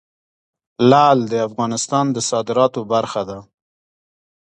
لعل د افغانستان د صادراتو برخه ده.